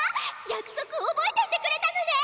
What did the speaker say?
約束覚えていてくれたのね！